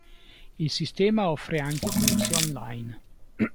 Il sistema offre anche corsi online.